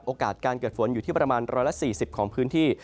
โอกาสการเกิดฝนอยู่ที่ประมาณ๑๔๐ของพื้นที่